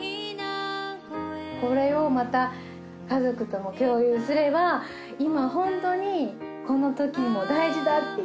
これをまた家族とも共有すれば今ホントにこのときも大事だっていう。